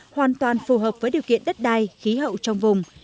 hoàn toàn phù hợp với điều kiện đất đai khí hậu trong vùng